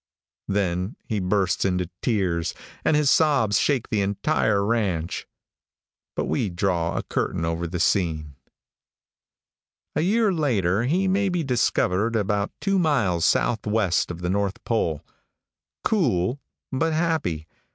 Then he bursts into tears, and his sobs shake the entire ranch. But we draw a curtain over the scene. A year later he may be discovered about two miles southwest of the north pole. Cool, but happy.